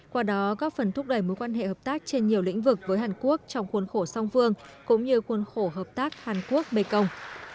qua đó góp phần thúc đẩy mối quan hệ hợp tác trên nhiều lĩnh vực với hàn quốc trong khuôn khổ song phương cũng như khuôn khổ hợp tác hàn quốc bê công